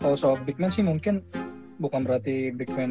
kalau soal big man sih mungkin bukan berarti big man